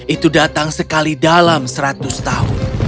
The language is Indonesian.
itu datang sekali dalam seratus tahun